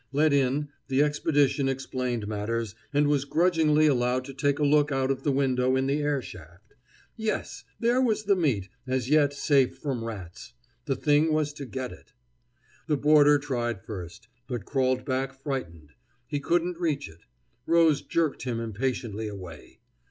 Let in, the expedition explained matters, and was grudgingly allowed to take a look out of the window in the air shaft. Yes! there was the meat, as yet safe from rats. The thing was to get it. The boarder tried first, but crawled back frightened. He couldn't reach it. Rose jerked him impatiently away.